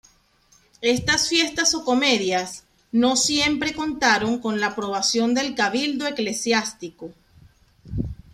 Estas fiestas o comedias no siempre contaron con la aprobación del Cabildo eclesiástico.